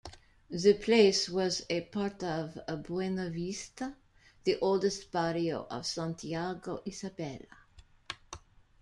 The place was a part of Buenavista, the oldest barrio of Santiago, Isabela.